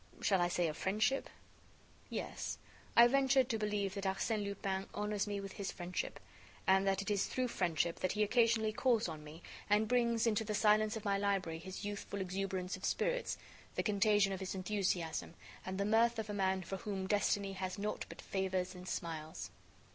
shall I say of friendship? Yes, I venture to believe that Arsène Lupin honors me with his friendship, and that it is through friendship that he occasionally calls on me, and brings, into the silence of my library, his youthful exuberance of spirits, the contagion of his enthusiasm, and the mirth of a man for whom destiny has naught but favors and smiles.